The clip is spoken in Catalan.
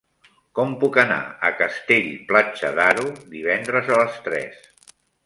Com puc anar a Castell-Platja d'Aro divendres a les tres?